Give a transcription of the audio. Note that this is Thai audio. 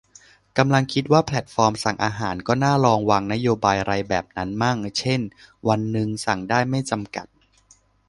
กำลังคิดว่า แพลตฟอร์มสั่งอาหารก็น่าลองวางนโยบายไรแบบนั้นมั่ง เช่น วันนึงสั่งได้ไม่จำกัด